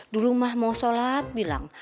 dulu mah mau sholat bilang